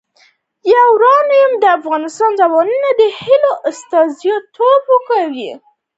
یورانیم د افغان ځوانانو د هیلو استازیتوب کوي.